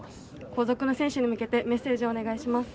後続の選手に向けてメッセージをお願いします。